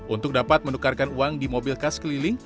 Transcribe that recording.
untuk dapat menukarkan uang di mobil khas keliling